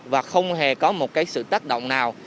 và không hề có một cái sự tác động nào